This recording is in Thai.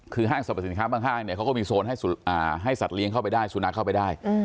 คือห้างสรรพสินค้าบางห้างเนี่ยเขาก็มีโซนให้สัตว์เลี้ยงเข้าไปได้สุนัขเข้าไปได้